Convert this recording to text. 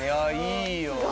いやいいよ。